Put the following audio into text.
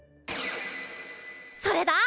それだ！